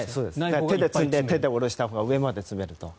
手で積んで下ろしたほうが上まで積めると。